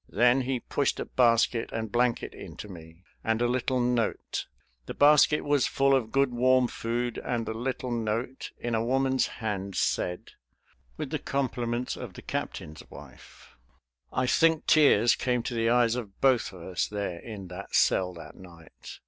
Then he pushed a basket and blanket in to me, and a little note. The basket was full of good warm food and the little note, in a woman's hand, said: "With the compliments of the captain's wife." I think tears came to the eyes of both of us there in that cell that night.